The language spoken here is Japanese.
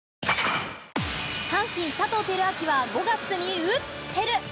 阪神、佐藤輝明は５月に打っテル！